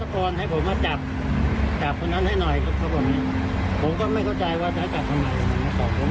เขาก็ต้องก่อนให้ผมมาจับจับคนนั้นให้หน่อย